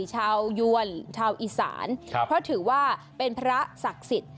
ชาวยวนชาวอีสานเพราะถือว่าเป็นพระศักดิ์สิทธิ์